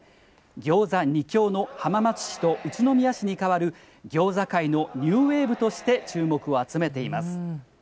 ギョーザ２強の浜松市と宇都宮市に代わるギョーザ界のニューウェーブとして注目を集めています。